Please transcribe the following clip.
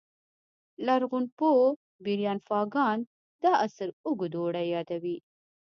لرغونپوه بریان فاګان دا عصر اوږد اوړی یادوي